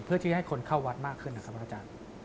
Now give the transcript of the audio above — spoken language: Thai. เพื่อที่ให้คนเข้าวัดมากขึ้นนะครับพระอาจารย์